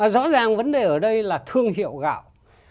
rõ ràng vấn đề ở đây là thương hiệu gạo